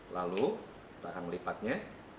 lalu kita akan melipatnya